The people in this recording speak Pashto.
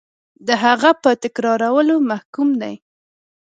د هغه په تکرارولو محکوم دی.